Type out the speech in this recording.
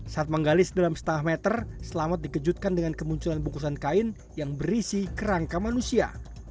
saat menggalis dalam setengah meter selamat dikejutkan dengan kemunculan bungkusan kain yang berisi kerangka manusia